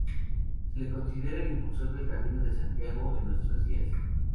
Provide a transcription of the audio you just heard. Se le considera el impulsor del Camino de Santiago en nuestros días.